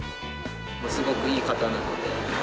すごくいい方なので。